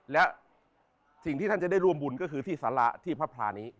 และสิ่งที่ท่านจะได้ร่วมบุญก็คือที่สาระที่พระพลานี้